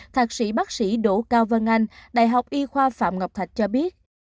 thạc sĩ bác sĩ đỗ cao vân anh đại học y khoa phạm ngọc thạch cho biết